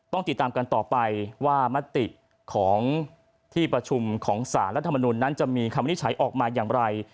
ต้องติดตามกันต่อไปว่ามติของที่ประชุมของสารรัฐมนุนนั้นจะมีคำวินิจฉัยออกมาอย่างไร